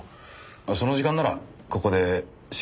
その時間ならここで仕事してました。